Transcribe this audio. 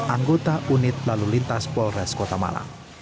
anggota unit lalu lintas polres kota malang